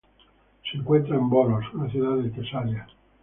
Se encuentra en Volos, una ciudad de Tesalia.